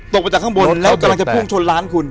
ตกมาจากข้างบนแล้วกำลังจะพุ่งชนร้านคุณ